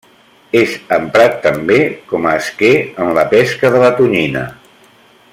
És emprat també com a esquer en la pesca de la tonyina.